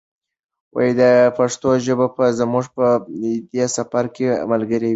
پښتو ژبه به زموږ په دې سفر کې ملګرې وي.